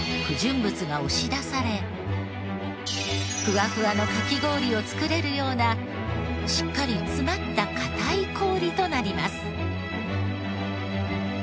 逆にゆっくりふわふわのかき氷を作れるようなしっかり詰まった硬い氷となります。